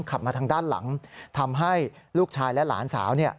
ขับมาทางด้านหลังทำให้ลูกชายและหลานสาว